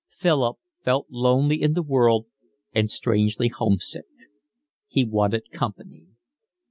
Philip felt lonely in the world and strangely homesick. He wanted company.